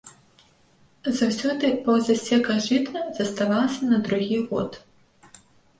Заўсёды паўзасека жыта заставалася на другi год...